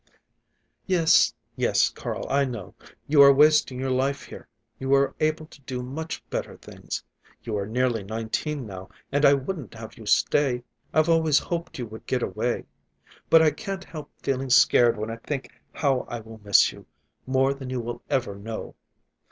"Yes, yes, Carl, I know. You are wasting your life here. You are able to do much better things. You are nearly nineteen now, and I wouldn't have you stay. I've always hoped you would get away. But I can't help feeling scared when I think how I will miss you—more than you will ever know."